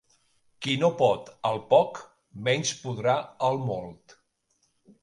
Qui no pot el poc, menys podrà el molt.